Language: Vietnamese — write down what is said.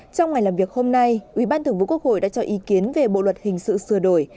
trong ngày làm việc hôm nay ủy ban thường vụ quốc hội đã cho ý kiến về bộ luật hình sự sửa đổi